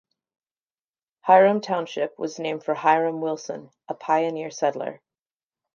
Hiram Township was named for Hiram Wilson, a pioneer settler.